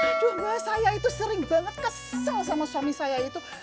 aduh mas saya itu sering banget kesel sama suami saya itu